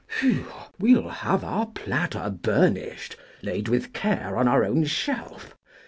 III. Whew! We'll have our platter burnished, Laid with care on our own shelf!